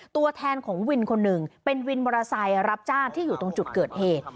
ตัวแทนของวินคนหนึ่งเป็นวินมอเตอร์ไซค์รับจ้างที่อยู่ตรงจุดเกิดเหตุ